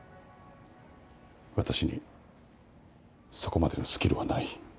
私にそこまでのスキルはない。